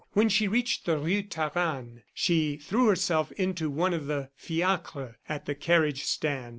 When she reached the Rue Taranne, she threw herself into one of the fiacres at the carriage stand.